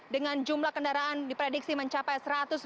dengan jumlah kendaraan diprediksi mencapai